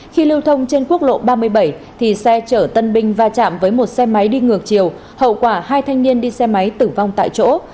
khi lưu thông trên quốc lộ ba mươi bảy thì xe chở tân binh va chạm với một xe máy đi ngược chiều hậu quả hai thanh niên đi xe máy tử vong tại chỗ